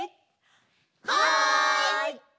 はい！